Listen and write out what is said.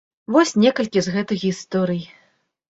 Вось некалькі з гэтых гісторый.